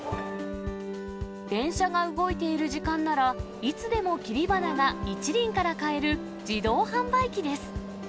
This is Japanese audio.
電車が動いている時間なら、いつでも切り花が１輪から買える、自動販売機です。